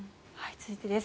続いてです。